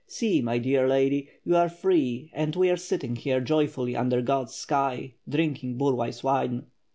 See, my dear lady, you are free and we are sitting here joyfully under God's sky, drinking Burlay's wine.